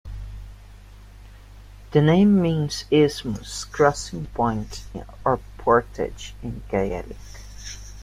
The name means "isthmus", "crossing point" or "portage", in Gaelic.